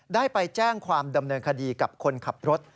ได้ไปแจ้งความดำเนินคดีกับคนขับรถ